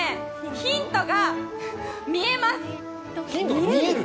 ヒントが見える？